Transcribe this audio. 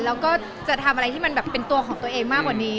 แล้วก็จะทำอะไรที่มันแบบเป็นตัวของตัวเองมากกว่านี้